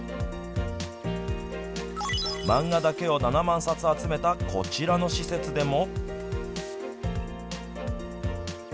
漫画だけを７万冊集めたこちらの施設でも。